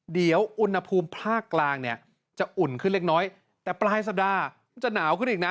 เดี๋ยวอุณหภูมิภาคกลางเนี่ยจะอุ่นขึ้นเล็กน้อยแต่ปลายสัปดาห์มันจะหนาวขึ้นอีกนะ